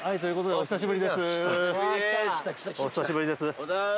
お久しぶりです。